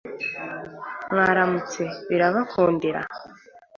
mwarashatse birabakundira,